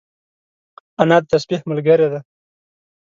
انا د تسبيح ملګرې ده